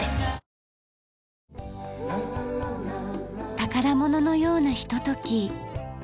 宝物のようなひととき。